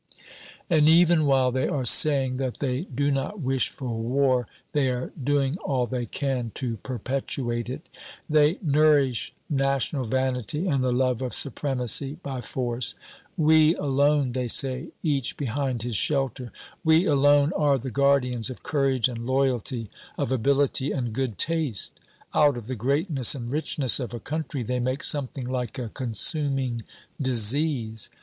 And even while they are saying that they do not wish for war they are doing all they can to perpetuate it. They nourish national vanity and the love of supremacy by force. "We alone," they say, each behind his shelter, "we alone are the guardians of courage and loyalty, of ability and good taste!" Out of the greatness and richness of a country they make something like a consuming disease.